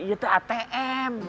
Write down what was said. eh itu atm